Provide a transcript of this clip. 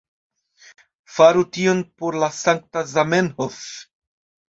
Faru tion por la sankta Zamenhof